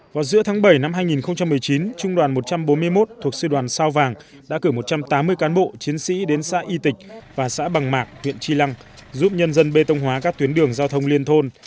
vào giữa tháng bảy năm hai nghìn một mươi chín trung đoàn một trăm bốn mươi một thuộc sư đoàn sao vàng đã cử một trăm tám mươi cán bộ chiến sĩ đến xã y tịch và xã bằng mạc huyện tri lăng giúp nhân dân bê tông hóa các tuyến đường giao thông liên thôn